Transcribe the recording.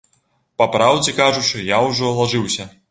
Па праўдзе кажучы, я ўжо лажыўся.